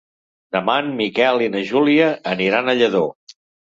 Demà en Miquel i na Júlia aniran a Lladó.